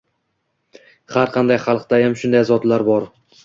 Har qanday xalqdayam shunday zotlar bor